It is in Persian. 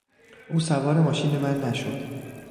او سوار ماشین من نشد.